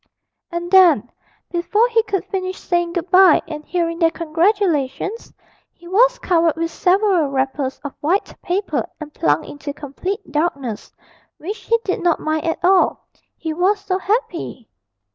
And then, before he could finish saying good bye and hearing their congratulations, he was covered with several wrappers of white paper and plunged into complete darkness, which he did not mind at all, he was so happy.